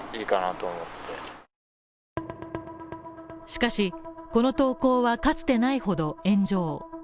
しかしこの投稿は、かつてないほど炎上。